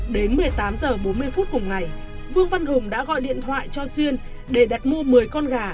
đến một mươi tám h bốn mươi phút cùng ngày vương văn hùng đã gọi điện thoại cho xuyên để đặt mua một mươi con gà